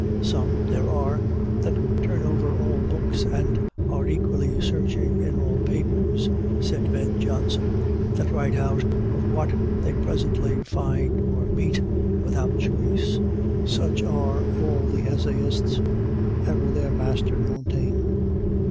"Some (there are) that turn over all books and are equally searching in all papers," said Ben Jonson; "that write out of what they presently find or meet, without choice.... Such are all the Essayists, ever their master Montaigne."